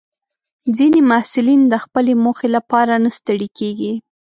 ځینې محصلین د خپلې موخې لپاره نه ستړي کېږي.